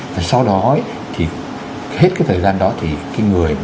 và sau đó thì hết cái thời gian đó thì cái người sử dụng thẻ